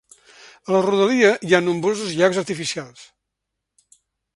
A la rodalia hi ha nombrosos llacs artificials.